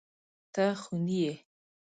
ته خوني يې.